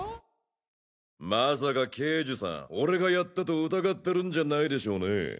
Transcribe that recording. まさか刑事さん俺がやったと疑ってるんじゃないでしょうねえ？